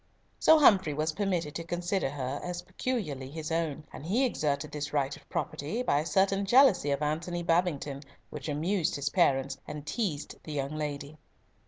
So Humfrey was permitted to consider her as peculiarly his own, and he exerted this right of property by a certain jealousy of Antony Babington which amused his parents, and teased the young lady.